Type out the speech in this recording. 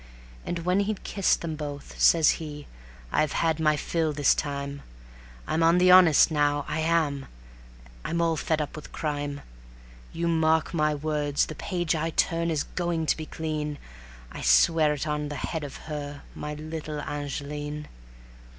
And when he'd kissed them both, says he: "I've had my fill this time. I'm on the honest now, I am; I'm all fed up with crime. You mark my words, the page I turn is going to be clean, I swear it on the head of her, my little Angeline."